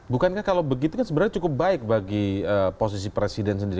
bukankah kalau begitu kan sebenarnya cukup baik bagi posisi presiden sendiri